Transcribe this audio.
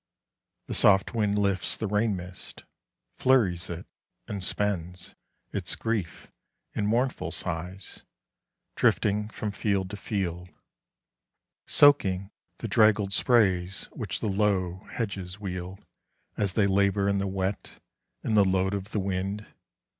The soft wind lifts the rain mist, flurries it, and spends Its grief in mournful sighs, drifting from field to field, Soaking the draggled sprays which the low hedges wield As they labour in the wet and the load of the wind.